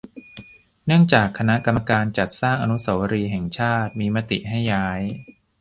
เนื่องจากคณะกรรมการจัดสร้างอนุสาวรีย์แห่งชาติมีมติให้ย้าย